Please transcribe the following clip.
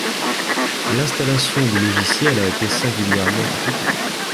L'installation du logiciel a été singulièrement compliquée